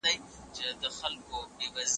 هر سبا د نوې هیلې او برکته پیلیږي.